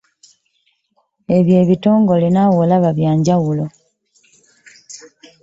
Ebyo ebitongole naawe olaba bya njawulo.